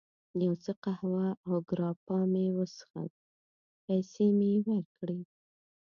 یو څه قهوه او ګراپا مې وڅښل، پیسې مې یې ورکړې.